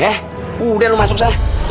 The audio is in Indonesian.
eh udah lu masuk saya